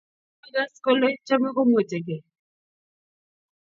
koakas kole chomei komwetegei